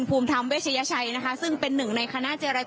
ครับครับต้องแจ้งหลักจากพี่พี่เซ็นซี่สุดเลยใช่ไหมครับ